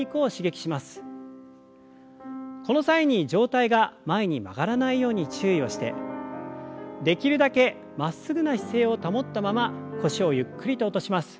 この際に上体が前に曲がらないように注意をしてできるだけまっすぐな姿勢を保ったまま腰をゆっくりと落とします。